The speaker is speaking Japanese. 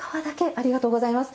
ありがとうございます。